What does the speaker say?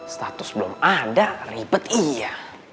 status belum ada ribet iya